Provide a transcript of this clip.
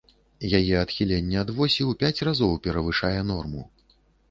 Яе адхіленне ад восі ў пяць разоў перавышае норму.